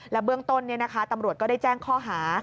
เบื้องต้นตำรวจก็ได้แจ้งข้อหา